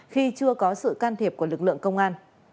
khi chưa có sự can thiệp của lực lượng công an